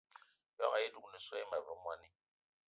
Ijon ayì dúgne so àyi ma ve mwani